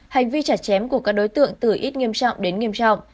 hành vi chặt chém của các đối tượng từ ít nghiêm trọng đến nghiêm trọng